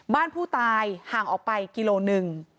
บ้านผู้ตายห่างออกไปกิโลหนึ่ง